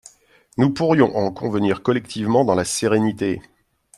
Nous pourrions en convenir collectivement, dans la sérénité.